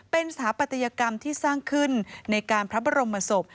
เป็นสถาปัตยกรรมที่สร้างขึ้นในการพระบรมศพ